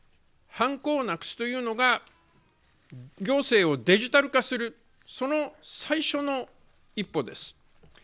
はんこをなくすというのが行政をデジタル化するその最初の一歩です。